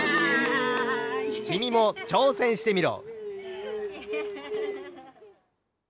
きみもちょうせんしてみろ。